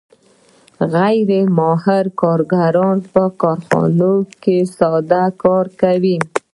غیر ماهر کارګران په کارخانه کې ساده کار کوي